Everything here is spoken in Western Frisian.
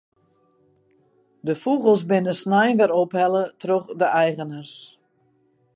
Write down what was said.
De fûgels binne snein wer ophelle troch de eigeners.